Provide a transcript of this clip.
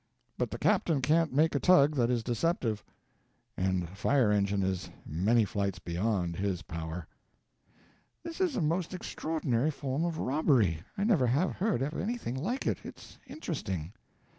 But the captain can't make a tug that is deceptive, and a fire engine is many flights beyond his power." "This is a most extraordinary form of robbery, I never have heard of anything like it. It's interesting."